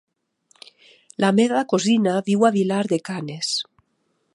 La meva cosina viu a Vilar de Canes.